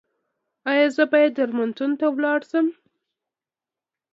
ایا زه باید درملتون ته لاړ شم؟